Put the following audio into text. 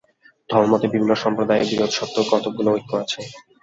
ধর্মমতে বিভিন্ন সম্প্রদায়ের বিরোধসত্ত্বেও কতকগুলি ঐক্য আছে।